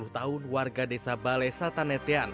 tujuh puluh tahun warga desa balai satanetean